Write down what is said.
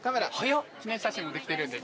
記念写真もできてるんで。